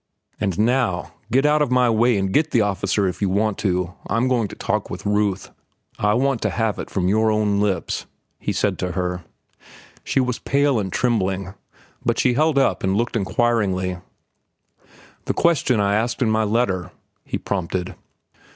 "And now, get out of my way and get the officer if you want to. I'm going to talk with Ruth." "I want to have it from your own lips," he said to her. She was pale and trembling, but she held up and looked inquiringly. "The question I asked in my letter," he prompted.